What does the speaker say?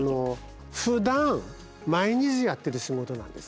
ふだん毎日やってる仕事なんです。